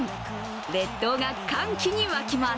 列島が歓喜に沸きます。